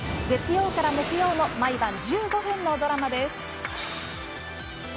月曜から木曜の毎晩１５分のドラマです。